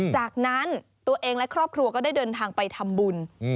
จากนั้นตัวเองและครอบครัวก็ได้เดินทางไปทำบุญ